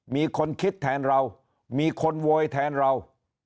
มีคนคิดแทนเรามีคนโวยแทนเรา